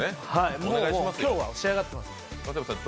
もう今日は仕上がってますから。